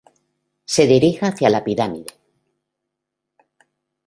Se dirija hacia la pirámide.